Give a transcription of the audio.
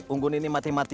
unggun ini mati mati